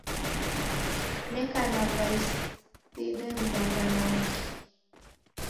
Neka na w'ai sine mdaw'ana ungi.